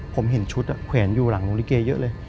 ผมเห็นชุดแขวนอยู่หลังโรงลิเกเยอะเลย